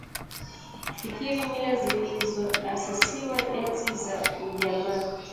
Fikiri mila zilizoasisiwa enzi za ujamaa